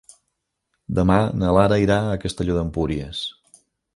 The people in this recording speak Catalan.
Demà na Lara irà a Castelló d'Empúries.